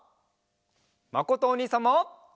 まことおにいさんも！